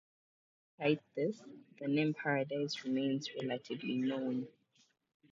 Despite this, the name Paradise remains relatively unknown.